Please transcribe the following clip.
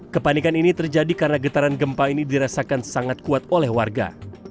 kepanikan ini terjadi karena getaran gempa ini dirasakan sangat kuat oleh warga